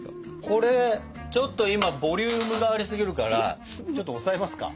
これちょっと今ボリュームがありすぎるからちょっと押さえますか？